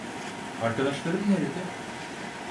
Arkadaşlarım nerede?